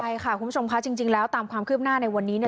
ใช่ค่ะคุณผู้ชมค่ะจริงแล้วตามความคืบหน้าในวันนี้